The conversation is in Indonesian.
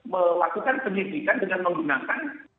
melakukan penyidikan dengan menggunakan